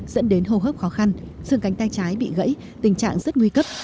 dẫn đến hô hấp khó khăn xương cánh tay trái bị gãy tình trạng rất nguy cấp